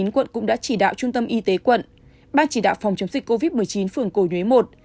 quận cũng đã chỉ đạo trung tâm y tế quận ban chỉ đạo phòng chống dịch covid một mươi chín phường cổ nhuế một